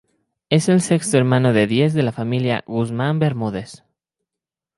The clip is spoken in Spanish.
Es el sexto hermano de diez de la familia Guzmán Bermúdez.